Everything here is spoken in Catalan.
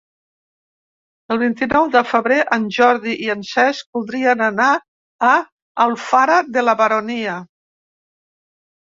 El vint-i-nou de febrer en Jordi i en Cesc voldrien anar a Alfara de la Baronia.